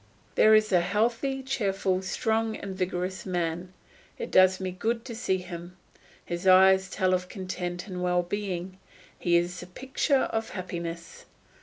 There is a healthy, cheerful, strong, and vigorous man; it does me good to see him; his eyes tell of content and well being; he is the picture of happiness.